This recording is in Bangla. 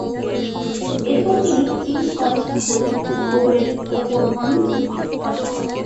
এরপর তিনি কিংস কলেজ হতে ভূগোলের ওপর অনার্স ডিগ্রি অর্জন করেন।